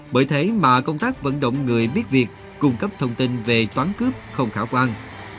bởi thế mà công tác vận động người biết việc cung cấp thông tin về toán cướp không khả quan